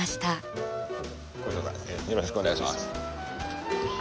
よろしくお願いします。